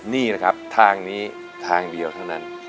นี่ประทานนี้ทางเดียวเท่านั้น